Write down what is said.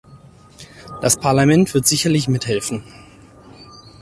Das Parlament wird sicherlich mithelfen.